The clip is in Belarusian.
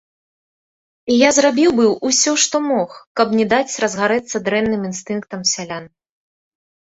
І я зрабіў быў усё, што мог, каб не даць разгарэцца дрэнным інстынктам сялян.